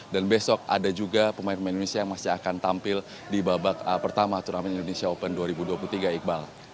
dan besok ada juga pemain pemain indonesia yang masih akan tampil di babak pertama turnamen indonesia open dua ribu dua puluh tiga iqbal